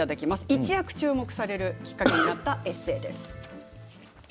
一躍、注目されるきっかけになったエッセーです。